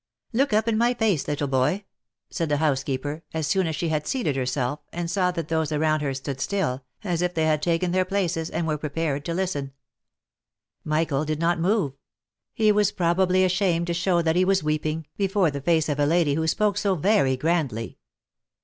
" Look up in my face, little boy," said the housekeeper, as soon as she had seated herself and saw that those around her stood still, as if they had taken their places, and were prepared to listen. Michael did not move ; he was probably ashamed to show that he was weeping, before the face of a lady who spoke so very grandly.